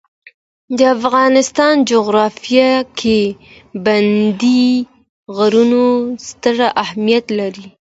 د افغانستان جغرافیه کې پابندی غرونه ستر اهمیت لري.